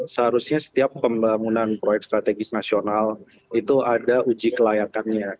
seharusnya setiap pembangunan proyek strategis nasional itu ada uji kelayakannya